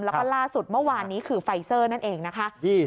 แล้วก็ล่าสุดเมื่อวานนี้คือไฟเซอร์นั่นเองนะคะ